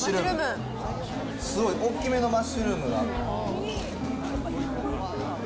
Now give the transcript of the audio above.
すごい、大きめのマッシュルーム。